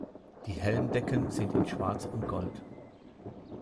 Die Helmdecken sind in Schwarz und Gold.